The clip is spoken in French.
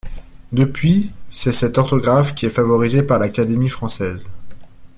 Depuis c'est cette orthographe qui est favorisée par l'Académie française.